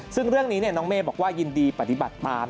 ซึ่งเรื่องนี้น้องเมฆบอกว่ายินดีปฏิบัติตาม